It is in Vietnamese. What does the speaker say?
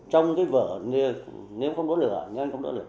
trong cái vở nếu không đốt lửa